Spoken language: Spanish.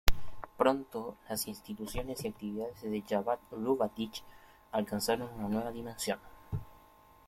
Pronto las instituciones y actividades de Jabad Lubavitch alcanzaron una nueva dimensión.